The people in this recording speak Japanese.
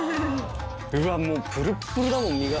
うわもうプルップルだもん身が。